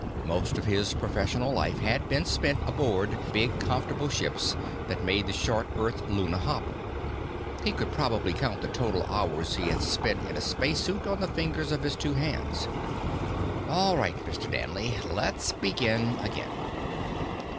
Most of his professional life had been spent aboard big, comfortable ships that made the short Earth Luna hop. He could probably count the total hours he had spent in a spacesuit on the fingers of his two hands. "All right, Mr. Danley; let's begin again.